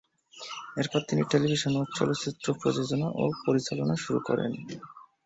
এরপর তিনি টেলিভিশন ও চলচ্চিত্র প্রযোজনা ও পরিচালনা শুরু করেন।